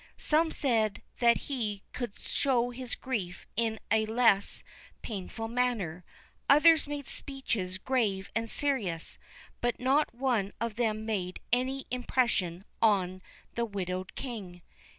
Some said that he could show his grief in a less painful manner. Others made speeches grave and serious, but not one of them made any impression on the widowed King.